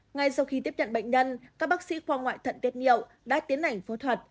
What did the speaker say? ngay sau khi tiếp nhận bệnh nhân các bác sĩ khoa ngoại thận tiết nhiệu đã tiến hành phẫu thuật